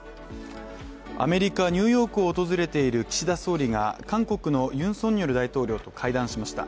アメリカ・ニューヨークを訪れている岸田総理が韓国のユン・ソンニョル大統領と会談しました。